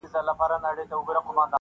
نن یې وار د پاڅېدو دی-